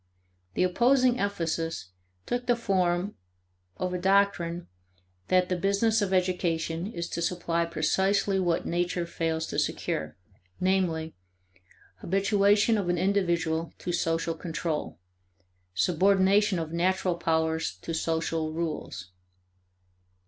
The opposing emphasis took the form of a doctrine that the business of education is to supply precisely what nature fails to secure; namely, habituation of an individual to social control; subordination of natural powers to social rules.